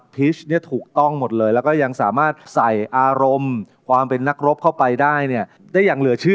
ชเนี่ยถูกต้องหมดเลยแล้วก็ยังสามารถใส่อารมณ์ความเป็นนักรบเข้าไปได้เนี่ยได้อย่างเหลือเชื่อ